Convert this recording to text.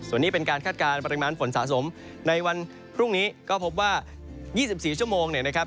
ส่วนนี้เป็นการคาดการณ์ปริมาณฝนสะสมในวันพรุ่งนี้ก็พบว่า๒๔ชั่วโมงเนี่ยนะครับ